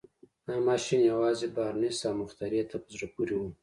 دا ماشين يوازې بارنس او مخترع ته په زړه پورې و.